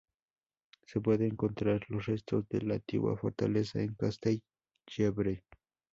Se puede encontrar los restos de la antigua fortaleza de Castell-llebre.